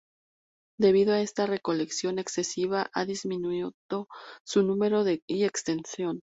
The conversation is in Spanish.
Debido a esta recolección excesiva ha disminuido su número y extensión.